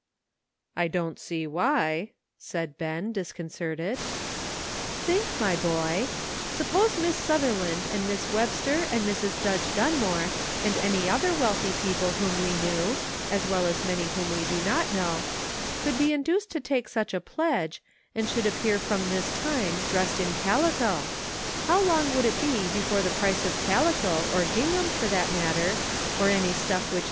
" I don't see why," said Ben, disconcerted. " Think, my boy ; suppose Miss Sutherland and Miss Webster and Mrs. Judge Dunmore and any other wealthy people whom we know, as well as many whom we do not know, could be induced to take such a pledge, and should appear from this time dressed in calico, how long would it be before the price of calico, or gingham, for that matter, or any stuff which 24 CLOTHES.